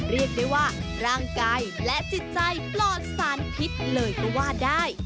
เรียกได้ว่าร่างกายและจิตใจปลอดสารพิษเลยก็ว่าได้